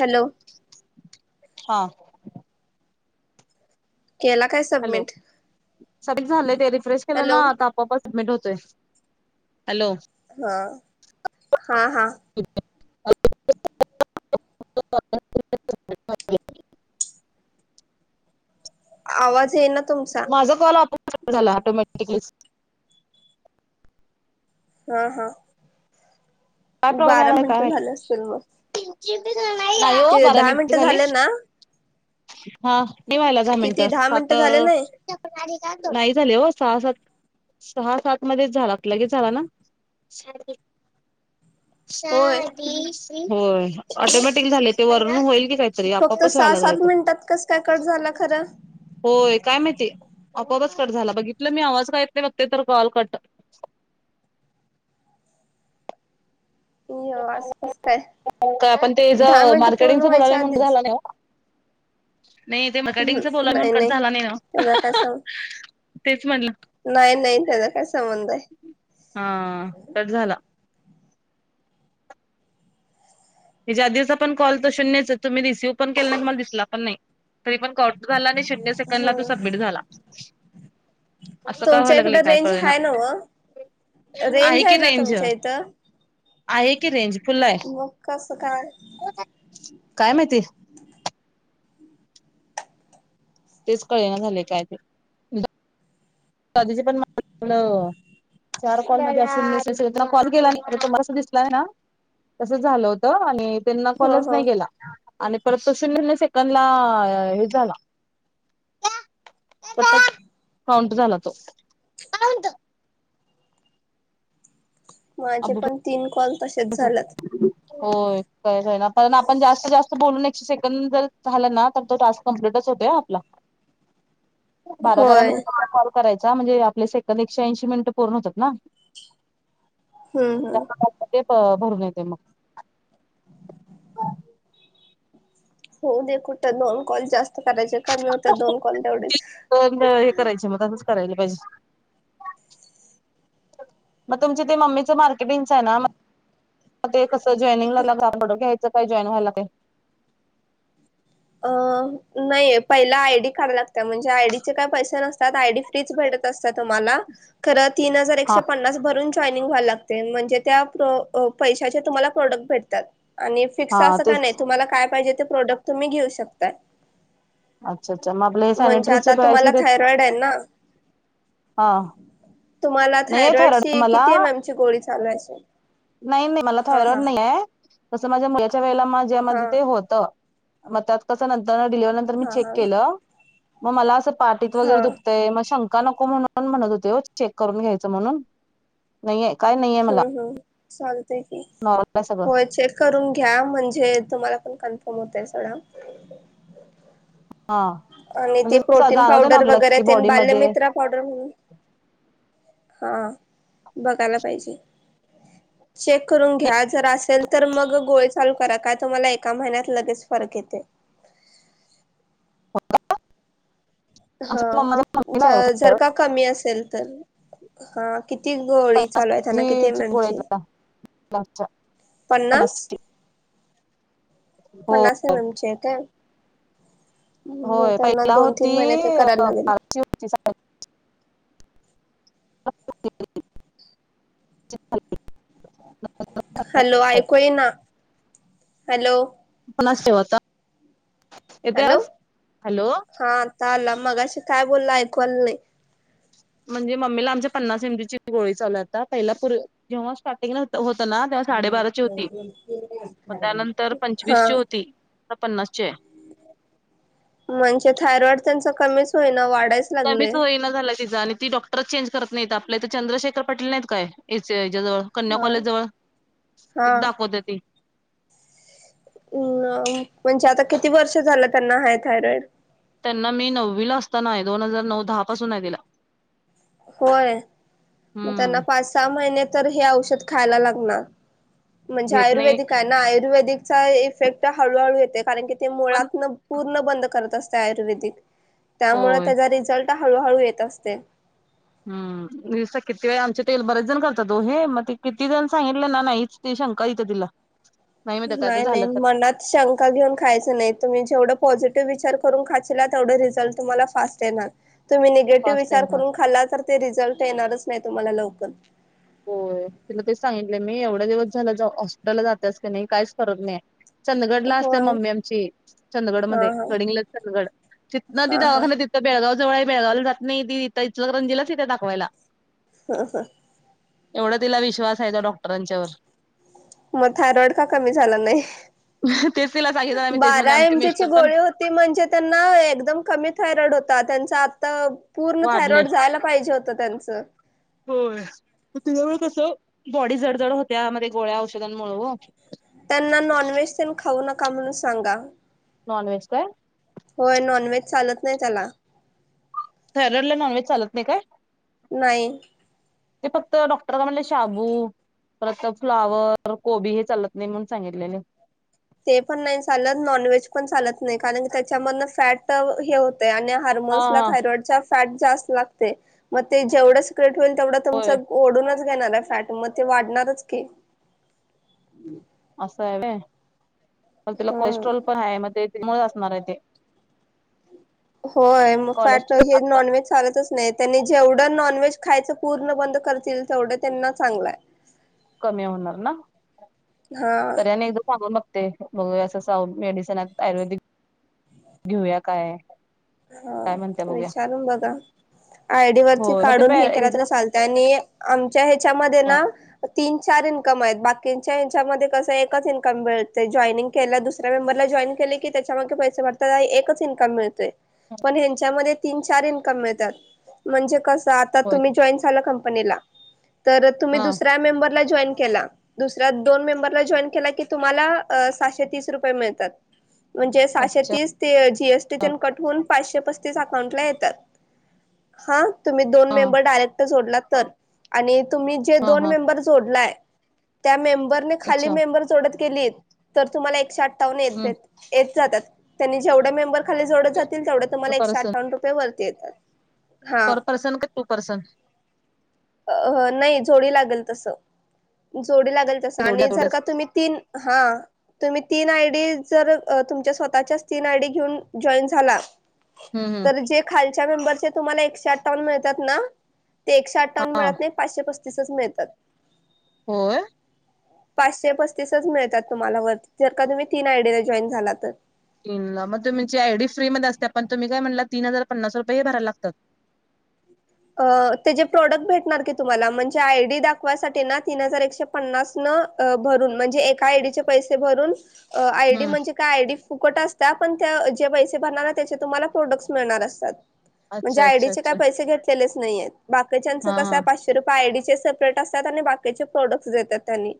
Hello, हा, केला काय हॅलो, सबमिट झालंय ते रिफ्रेश केलं ना हॅलो आता आपोआप सबमिट होतं. तेय. हा हा हा, [unintelligible] [inaudible] आवाज येईना, माझा कॉल आपोआप चालू झाला ऑटोमॅटिकच. हा हा, काय प्रॉब्लेम बारा याला काय मिनटं झाले माहित. असतील मग नाही हो ते बारा दहा मिनिट मिनटं झाली. झाले ना हा नई वाहिले दहा किती मिनिटं, सात मिनटं झाले नाही नाही झाले हो, सहा सात सहा सात मध्ये झाला लगेच झाला ना, होय [unintelligible] होय ऑटोमॅटिक झाले ते वर्ण होईल, काहीतरी आपापच व्हालय लागलय ते, म्हणतात कसं काय कट झाला खरं, होय काय माहिती, आपोआपच कट झाला. बघितलं मी आवाज का येत नाही बघते तर कॉल कट. [inaudible] आसपास [unintelligible] काय ते आपण ज दहा मिनटं पूर्ण मार्केटिंगच बोलालोय व्हायच्या म्हणून कट आधीच झालं नाही ओ, नाही ते मार्केटिंगच हम् बोलाय म्हणून नाही कट झाला नाही नव, त्याचा काय सं नाही नाही त्याचा काय संबंध आय, हा कट झाला. हेच्या आधीच पण कॉल, शून्यच तुम्ही रिसीव पण केला नाही मला दिसला पण नाही. तरी पण कॉर्ट झाला, आणि शून्य सेकंदला ह तो सबमिट झाला. असं काय व्हाल तुमच्या इकड लागलंय काय रेंज कळेना, आहे ना व आहे की ना रेंज, तुमच्या इथं आहे की रेंज फुल आहे. मग कस काय? काय माहिती, तेच कळेना झाले, काय ते कधीच पण म्हटलं, चार कॉलमध्ये अस कॉल केला नाही. तुम्हाला गेला नाही दिसला नाही ना, तसं झालं होत आणि त्यांना हो कॉल च हो नाही गेला. आणि परत तो शून्य सेकंद ला हे झाला. काउंट झाला तो, माझे अबू पण तीन कॉल तसेच झाल्यात. होय कायच आहे ना पण, आपण जास्तीत जास्त बोलून एक सेकंद जर झालं ना, तर तो टास्क कंप्लीटच होतोय. होतंय आपला, [inaudible] बारा बारा होय मिनिट कॉल करायचं, म्हणजे आपले सेकंद एकशे ऐंशी मिनिटं पूर्ण होतात ना, हम्म हम्म, त्यामध्ये भरून येते मग, होऊदे कुठ दोन कॉल जास्त, करायचे कमी होत, दोन कॉल तेवढेच हे करायचे मग तसंच करायला पाहिजे. मग तुम ते मम्मीच मार्केटिंगच आहे ना ते कस जॉईनंगला लाग आप ह्यायच काय जॉईन व्हायला ते अ नाही पहिला आयडी काड लागत म्हणजे आयडीचे काय पैसे नसतात आयडी फ्रीच भेट असत्या तुम्हाला खरं तीन हजार हा एकशे पन्नास भरून जॉनिंग व्हायला लागते म्हणजे त्या पैशाचे तुम्हाला प्रोडक्ट भेटतात. आणि हा फिक्स असं का तेच नाही तुम्हाला काय पाहिजे ते प्रोडक्ट तुम्ही घेऊ शकताय. अच्छा अच्छा मग आपले म्हणजे सॅनिटरीचे आता प्राईस तुम्हाला किती आहेत थायरॉइड आहे ना? हा तुम्हाला नाहीये थायरॉइड ची मला किती एम एमची गोळी चालू आहे? नाही नाही मला हा थायरॉइड हा नाही आहे तसं माझ्या मुलाच्या वेळेला माझ्या म्हणजे हा. ते होतं. मग त्यात कस नंतर तर डिलिव्हरी नंतर मी हा चेक हा केलं मला अस पटीत हा वगैरे दुखतंय मग शंका का नको म्हणून म्हणत होते हो चेक करून घ्यायचं म्हणून नाहीे काय नाही आहे मला चालते की नॉर्मल आहे सगळं होय चेक करून घ्या म्हणजे तुम्हाला कन्फर्म होतय सोडा. हा आणि म्हणजे ते जसं प्रोटीन जाणवतं ना पावडर आपल्याला वगैरे की ते बॉडीमध्ये बाल्यमित्रा पावडर म्हणून हा बघायला पाहिजे. चेक करून नाही, घ्या जर असेल तर मग गोळ चालू करा काय तुम्हाला एका महिन्यात लगेच फरक येतोय. [inaudible] हा आमच्या मम्माच्या मम्मीला आहे हो, ज जर का कमी असेल तर हा किती गोळी चालू आहे त्यांना किती जी गोळी आहे एममची. तिला, पाच पन्नास ची. हो पन्नास एम एम ची आहे का? ह होय त्यांना पहिला दोन, होती तीन, महिन्या त करायला अं, लागेल. बाराची होती [inaudible] [unintelligible] हॅलो साडे. ऐयकु येईना हॅलो पन्नास ठेव आता. हॅलो आता आला मगाशी काय बोलला ऐकू आलं नाय म्हणजे मम्मीला आमच्या पन्नास एमजी ची गोळी चालू आहे आता पहिला जेव्हा स्टार्टिंग ला होतं. पहिला ना त्या साडेबाराची होती मग त्यानंतर पंचवीस हा ची होती आता पन्नास ची हाय म्हणजे थायरॉईड त्यां कमीच होई वा कमीच होईना झाला तिचा आणि ती डॉक्टरच चेंज करत नाही आपल्या इथ चंद्रशेखर पाटील नाहीत काय ते च हेज्या जवळ कन्या हा कॉलेज जवळ हा तिथ दाखवते ती. अम् ना म्हणजे आता किती वर्ष झालं त्यांना हाय थायरॉईड? त्यांना मी नववी ला असताना आहे दोन हजार नऊ दहा पासून आहे तिला. होय मग त्यांना हम्म पाच सहा महिने तर हे औषध खायला लागणार म्हणजे घेत नाही आयुर्वेदिक हाय ना आयुर्वेदिक इफेक्ट हळूहळू येते कारण की ते पण मुळातन पूर्ण बंद करत असते आयुर्वेदिक त्यामुळे होय त्याचा रिझल्ट हळूहळू येत असते. हम् दिस किती वेळ आमचे तेल बरेच जण करतात ओ हे मग ते किती जण सांगितले ना नाहीच ते शंका येत्या तिला. माहिती काय तर नाही झालं नाही तर मनात शंका घेऊन खायच नाही तुम्ही जेवढ पॉझि टिव्ह विचार करून खाची ला तेवढ रिझल्ट तुम्हाला फास्ट येणार. तुम्ही निगेटिव्ह फास्ट विचार येणार करून खाल्ला तर ते रिझल्ट येणारच नाही तुम्हाला लवकर. होय तिला ते सांगितले मी एवढ्या दिवस झालं जा हॉस्पिटलला जातेस क नये काहीच फरक नाही. चंदगडला असल्या होय मम्मी आमची हा चंदगडमध्ये हा गडिंगलज चंदगड. तिथं ती हा हा दवाखान्यात तिथं बेळगावजवळ हाय बेळगावला जात नाही ती इथं इंचलकरजीला येत्या दाखवायला. हा हा एवढा तिला विश्वास आहे त्या डॉक्टरांच्यावर मग थायरॉइड का कमी झाला नाही तेच तिला सांगितलं आम्ही तेच म्हणे बारा आमचे एमजीची मिस्टर पण गोळी होती म्हणजे त्यांना एकदम कमी थायरॉइड होता त्या त पूर्ण वाढलय. थायरॉइड जायला पाहिजे होत त्यांच तो बॉडी जडजड होत्या मध्ये गोळ्या औषधांमुळे ओ का म्हणून सांगा नॉनवेज काय? होय नॉनव्हेज चालत नाही त्याला थायरॉइडला नॉनव्हेज चालत नाही काय? नाही ते फक्त डॉक्टर दादा म्हणलं शाबू परत फ्लावर कोबी हे चालत नाही म्हणून सांगितलेल ते पण नाही चालत नॉनव्हेज पण चालत नाही कारण की त्याच्यामधन फॅट हे आणि हा हारमोन्स ला हा थायरॉइडच्या फॅट जास्त लागते म ते जेंव्हड होइल तेवढं तुमच होय ओढूनच घेणार आहे फॅट मग ते वाढणारच की, असं आहे व्हय तिला हम्म कोलेस्ट्रॉल पण हय म ते मुळे असणार आहे ते होय म फॅट कोलेस्ट हे आता नॉनव्हेज चालतच नाही त्यांनी जेवढ जर नॉनव्हेज खायचं पूर्ण बंद करतील तेवढं त्यांना चांगलाय कमी होणार ना हा तरी आणि एकदा सांगून बगते बगुया अस अस आहो मेडिसन हायत आयुर्वेदिक घेऊया काय? काय म्हणत्या हा बघूया विचारून बघा आयडी वरती होय मग ते काढून पॅ हे केला हेज तरी चालते आणि आमच्या ह्याच्यामध्ये हा ना तीन चार इन्कम आहेत बाकीच्याच्यामध्ये कस एकच इन्कम मिळत जॉईनिंग केला दुसऱ्या मेंबरला जॉईन के की त्याच्या माग पैसे वाडतात एकच इन्कम मिळतोय पण हेंचि मध्ये तीन चार इन्कम हाय त्यात म्हणजे कस आता होय तुम्ही जाॅईन झाला का तर तुम्ही हा दुसऱ्या मेंबरला जाॅ न केला दुसऱ्या दोन मेंबरला जाॅईन केला कि तुम्हाला अ सहाशे तीस रुपये मिळतात. म्हणजे सहाशे अच्छा तीस ते जीएसटी हा तेन कट होऊन पाचशे पसतीस अकाउंट ला येत्यात हा तुम्ही दोन हा मेंबर डायरेक्ट जोडला तर आणि तुम्ही जे हा दोन हा मेंबर जोडलाय त्या मेंबरने खाली अच्छा मेंबर जोडत गेलीत तर तुम्हाला एकशे अठांवन हम्म येत्यात येत जात्यात तेन्ही जेवढ मेंबर खाली जोडत जातील तेवड पर तुम्हाला एकशे पर्सन आठांवन रुपये ती येतात पर परर्सन काय टू परसन? अ नाही जोडी लागल तसं जोडी लागलं तसं तेवढ्या आणि जर तेवढ्याच का तुम्ही तीन हां तुम्ही तीन आयडी डी जर तुमच्या स्वतःच्या च तीन आयडी घेऊन जॉईन झाला हम्म हम्म तर जे खालच्या मेंबर चे तुम्हाला एकशे अठ्ठावन मिळतात ना ते एकशे अठ्ठा ठ्ठावन हा मिळत नाही पाचशे पस्तीसच मिळतात. होय? पाचशे पस्तीसच मिळतात तुम्हाला वरती जर का तुम्ही तीन आयडीला जॉईन झाला तर तीन ला मग तुमची आयडी फ्री मध्ये असते पण तुम्ही काय म्हणला तीन हजार पन्नास रुपये हे भराय लागतात. [inaudible] अ त्याजे प्रोडक्ट भेटणार की तुम्हाला म्हणजे आयडी दाखवायसाठी ना तीन हजार एकशे पन्नास न अ भरून म्हणजे एका आयडी चे पैसे भरून अ आयडी हम्म. म्हणजे काय आयडी फुकट अस त्या पण त्या जे पैसे भरणार त्याचे तुम्हाला प्रोडक्ट मिळणार असतात. म्हणजे अच्छा आयडी अच्छा चे काय अच्छा पैसे घेतलेलेच नाहीेयेत बाकीच्यांच हा कस हा पाचशे रुपये आयडी चे सेप्रेट असतात आणि बाकीचे प्रॉडक्ट्स देतात तेनी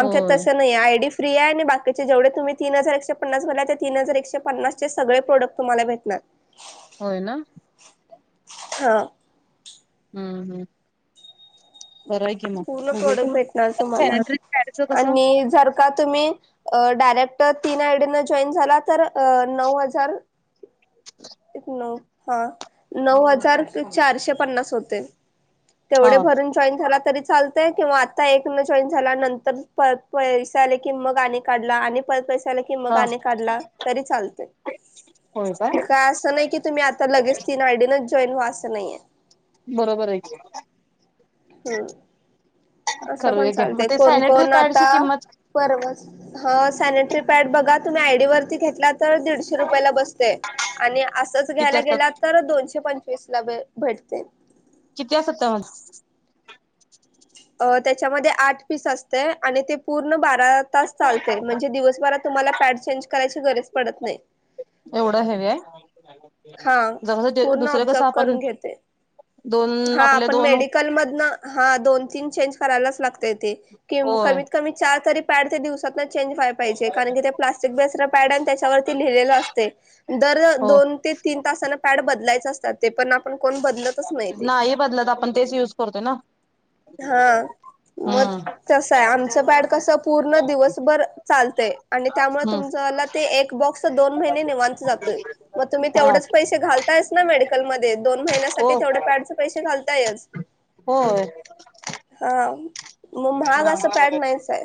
आमच्यात होय तसं नाहीये आयडी फ्री आणि बाकीचे जेवढे तुम्ही तीन हजार एकशे पन्नास भरला त्या तीन हजार एकशे पन्नासचे सगळे प्रोडक्ट तुम्हाला भेटणार. [inaudible] होय ना? हां. हम्म हम्म. बरं आहे की मग पूर्ण बघूया की. प्रोडक्ट भेटणार तुम्हाला. सॅनिटरी पॅडचं कसं आणि जर का तुम्ही डायरे क्ट तीन आयडिंना जॉईन झाला तर अ नऊ हजार एक नऊ हां, नऊ हजार चारशे पन्नास होते.. हा तेवढे भरून जॉईन झाला तरी च चालतंय किंवा आता एक नं जॉईन झाला, नंतर पर पैसे आले की मग आणि काढला आणि परत पैसे आलं की मग हा आणि काढला तरी चालतंय. होय काय असं नाही की तुम्ही आता लगेच तीन आयडीनच जॉईन व्हा. आसं नाहीेये. बरोबर आए की. हम्म. असं पण करूया घ्या मग चालतंय ते कोण सॅनिटरी कोण पॅडची आता किंमत परवाच, हां सॅनटरी पॅड बघा तुम्ही आयडी वरती घेतलात. तर दीडशे रुपयाला बसतंय आणि आसंच किती घ्यायला गेला असतात तर दोनशे पंचवीस ला बे भेटतयं. किती असतात त्यात? अ त्याच्यामधे आठ पीस असतंय आणि ते पूर्ण बार रा तास चालतंय म्हणजे दिवसभरात तुम्हाला पॅड चेंज करायची गरज पडत नाई. एवढं हेवी आए? जस पूर्ण दुसरे कसं आपण दोन हां आपले पण दोन मेडिकल मधनं, हां दोन तीन चेंज करायलाच लागतंय ते. किम होय कमीत कमी चार तरी पॅड ते दिवसात चेंज व्हाय पाईजे कारण की ते प्लास्टिक बेस्ड पॅड आहे आणि त्याच्यावरती लिहिलेलं असतंय. दर हो दोन ते तीन तासानं पॅड बदलायच असतात ते पण, आपण कोण बदलतच नाही ते. नाही बदलत आपण, तेच युज करतोय ना. हां. मग हम्म तसं आए. आमचं पॅड कसं पूर्ण दिवसभर चालतंय आणि त्यामुळं हम्म तुमच वाला ते एक बॉक्स दोन महिने निवांत जात य म तुमी हा तेवढेच पैसे घालताय च ना मेडिकल मधे दोन हो महिन्यासाठी तेवढे पॅड च पै से घालतायच, होय. हां. म महाग असं पॅड नाहीच आए.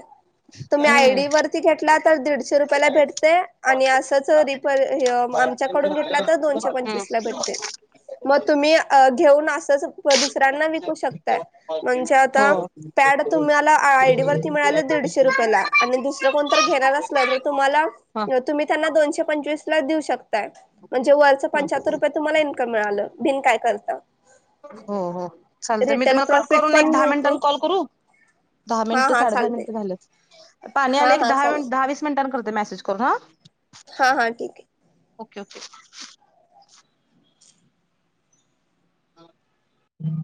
तुम्ही हम्म आयडी वरती घेतला तर दीड शे रुपयाला भेटते आणि आसंच रिफ हे आमच्याकडून घेतला तर दोनशे हम्म पंचवीस ला भेट ते म तुम्ही घेऊन आसंच दुसऱ्यांना विकू शकताय. म्हणजे आता हो. पॅड तुम्हाला आयडी वरती मिळाले दि दीडशे रूपयला आणि दुसरं कोण तर घेणार असलं तर तुम्हाला ह तुम्ही त्यांना दोनशे पंचवीस ला देऊ शकताय. म्हणजे वरचं पंच्यात्तर रुपय तुम्हाला इन्कम मिळालं. बिन काय करता? हो हो. चालतंय. मी रिटेल तुम्हाला कट प्रॉफिट करून एक पण दहा मिळते मिंटानं कॉल करू? दहा हा मिंटं, हा साडे दहा चालते. मींटं झालेत. पाणी हा आलंय, एक हा दहा मिन चालेल दहा वीस मींटांन करते मॅसेज करून हा.. हा हा ठीक आहे. ओके. हम्म.